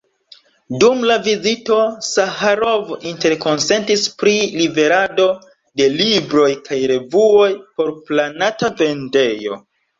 Dum la vizito Saĥarov interkonsentis pri liverado de libroj kaj revuoj por planata vendejo.